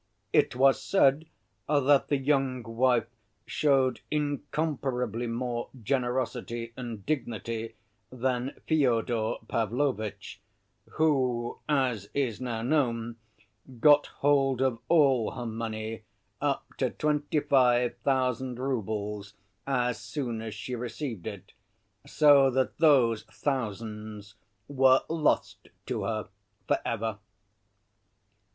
It was said that the young wife showed incomparably more generosity and dignity than Fyodor Pavlovitch, who, as is now known, got hold of all her money up to twenty‐five thousand roubles as soon as she received it, so that those thousands were lost to her for ever.